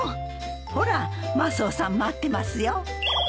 ほらマスオさん待ってますよ。